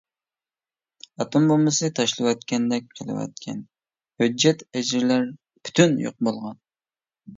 ئاتوم بومبىسى تاشلىۋەتكەندەك قىلىۋەتكەن ھۆججەت-ئەجىرلەر پۈتۈن يوق بولغان.